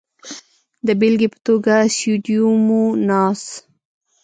د بېلګې په توګه سیوډوموناس.